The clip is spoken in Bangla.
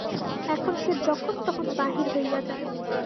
এখন সে যখন তখন বাহির হইয়া যায়।